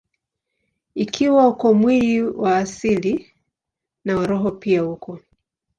Ikiwa uko mwili wa asili, na wa roho pia uko.